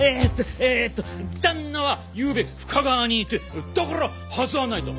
旦那はゆうべ深川にいてだからはずはないと！